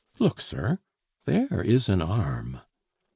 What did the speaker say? Look, sir, there is an arm!"